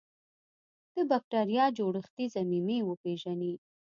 د بکټریا جوړښتي ضمیمې وپیژني.